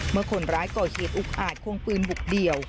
เมื่อคนร้ายก่อเหตุอุกอาจควงปืนบุกเดี่ยว